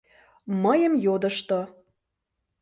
— Мыйым йодышто.